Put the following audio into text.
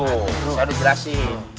tuh saya jelasin